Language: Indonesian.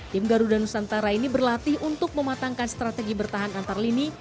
tim garuda nusantara ini berlatih untuk mematangkan strategi bertahan antar lini